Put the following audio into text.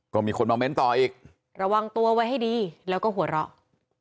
ก็มีคนมาเม้นต่ออีกระวังตัวไว้ให้ดีแล้วก็หัวเราะ